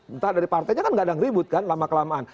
entah dari partainya kan nggak ada yang ribut kan lama kelamaan